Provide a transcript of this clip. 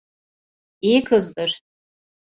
İyi kızdır.